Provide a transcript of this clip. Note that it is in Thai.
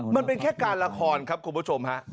มันเป็นแค่การละครครับคุณผู้ชมฮะ